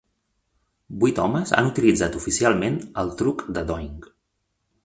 Vuit homes han utilitzat oficialment el truc de Doink.